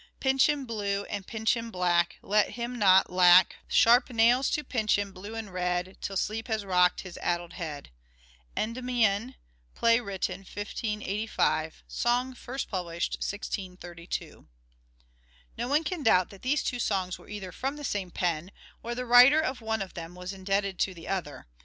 Pinch him blue And pinch him black, Let him not lack 334 " SHAKESPEARE " IDENTIFIED Sharp nails to pinch him blue and red, Till sleep has rocked his addle head." (" Endymion." Play written 1585. Song first published 1632.) No one can doubt that these two songs were either from the same pen, or the writer of one of them was indebted to the other.